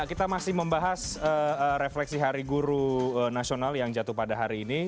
kita masih membahas refleksi hari guru nasional yang jatuh pada hari ini